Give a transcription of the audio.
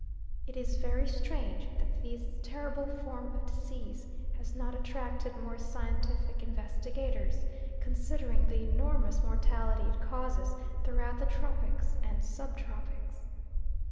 It is very strange that this terrible form of disease has not attracted more scientific investigators, considering the enormous mortality it causes throughout the tropics and sub tropics.